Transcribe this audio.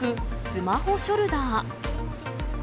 スマホショルダー。